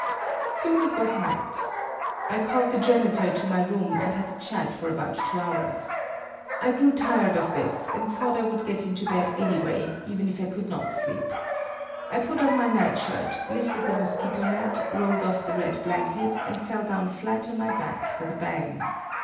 Soon it was night. I called the janitor to my room and had a chat for about two hours. I grew tired of this, and thought I would get into bed anyway, even if I could not sleep. I put on my night shirt, lifted the mosquito net, rolled off the red blanket and fell down flat on my back with a bang.